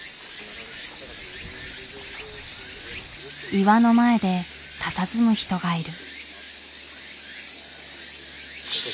岩の前でたたずむ人がいる。